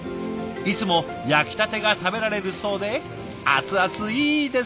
いつも焼きたてが食べられるそうで熱々いいですね！